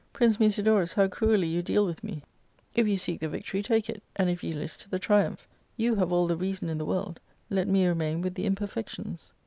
Prince Musidorus, how cruelly you deal with me ;1 if you seek the victory, take it, and if ye list, the triumph; you have all the reason in the world, let me remain with the imperfections."